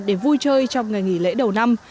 để vui chơi trong ngày nghỉ lễ đầu năm